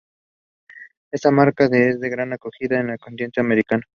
Esta marca es de gran acogida en el continente americano.